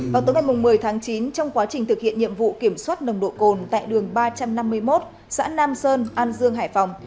vào tối ngày một mươi tháng chín trong quá trình thực hiện nhiệm vụ kiểm soát nồng độ cồn tại đường ba trăm năm mươi một xã nam sơn an dương hải phòng